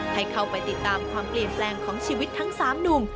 ให้เข้าไปติดตามความเปลี่ยนแปลงของชีวิตทั้ง๓หนุ่ม